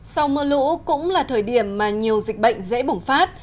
sau mưa lũ cũng là thời điểm mà nhiều dịch bệnh dễ bùng phát